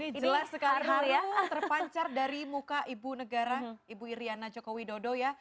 ini jelas sekali kali terpancar dari muka ibu negara ibu iryana jokowi dodo ya